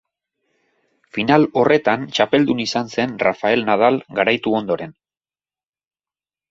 Final horretan txapeldun izan zen Rafael Nadal garaitu ondoren.